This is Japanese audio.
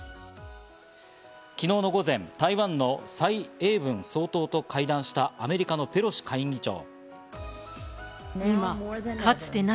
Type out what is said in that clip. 昨日の午前、台湾のサイ・エイブン総統と会談したアメリカのペロシ下院議長。